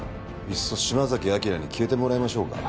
いっそ島崎章に消えてもらいましょうか。